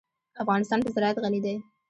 افغانستان په زراعت غني دی.